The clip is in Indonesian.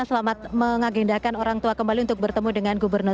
selamat mengagendakan orang tua kembali untuk bertemu dengan gubernur